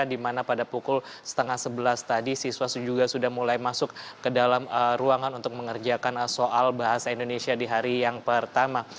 di mana pada pukul setengah sebelas tadi siswa juga sudah mulai masuk ke dalam ruangan untuk mengerjakan soal bahasa indonesia di hari yang pertama